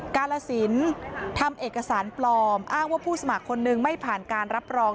กาลสินทำเอกสารปลอมอ้างว่าผู้สมัครคนนึงไม่ผ่านการรับรอง